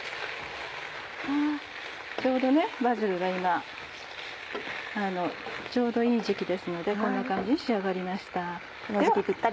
ちょうどバジルが今ちょうどいい時期ですのでこんな感じに仕上がりました。